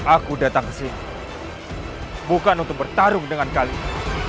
aku datang ke sini bukan untuk bertarung dengan kalian